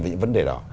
với những vấn đề đó